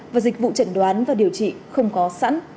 và dịch vụ chẩn đoán và điều trị không có sẵn